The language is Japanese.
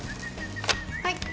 はい。